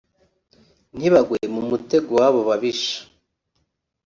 ntibagwe mu mutego w’abo babisha